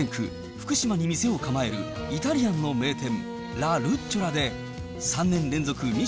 福島に店を構えるイタリアンの名店。